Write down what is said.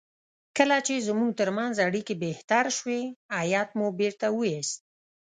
کله چې زموږ ترمنځ اړیکې بهتر شوې هیات مو بیرته وایست.